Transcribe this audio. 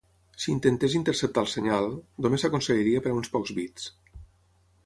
Si intentés interceptar el senyal, només s'aconseguiria per a uns pocs bits.